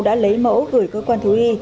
đã lấy mẫu gửi cơ quan thú y